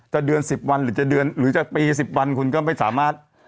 จะเดือนสิบวันหรือจะปีสิบวันคุณก็ไม่สามารถ